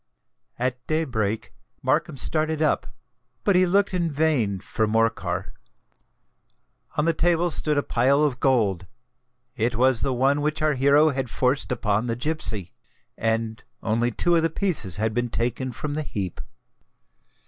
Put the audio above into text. At day break Markham started up; but he looked in vain for Morcar. On the table stood a pile of gold: it was the one which our hero had forced upon the gipsy;—and only two of the pieces had been taken from the heap.